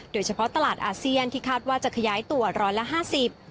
ตลาดอาเซียนที่คาดว่าจะขยายตัวร้อยละห้าสิบ